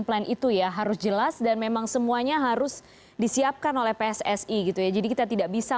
plan itu ya harus jelas dan memang semuanya harus disiapkan oleh pssi gitu ya jadi kita tidak bisa